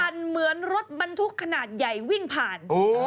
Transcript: เหมือนรถบรรทุกขนาดใหญ่วิ่งผ่าน